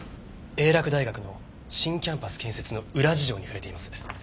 英洛大学の新キャンパス建設の裏事情に触れています。